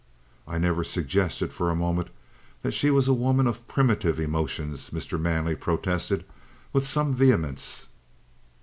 "I never suggested for a moment that she was a woman of primitive emotions," Mr. Manley protested with some vehemence.